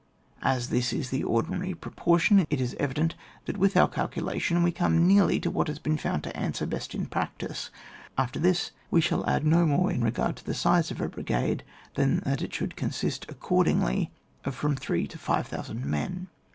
As this is the ordinary pro portion, it is evident that with our calcu lation, we come nearly to what has been found to answer best in practice. After this, we shall add no more in regard to the size of a brigade, than that it should consist accordingly of from three to five thousand men.